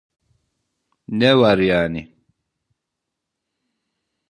Ne var yani?